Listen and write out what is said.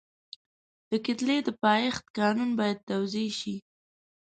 د کتلې د پایښت قانون باید توضیح شي.